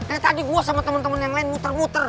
dari tadi gua sama temen temen yang lain muter muter